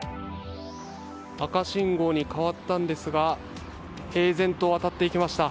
赤信号に変わったんですが平然と渡っていきました。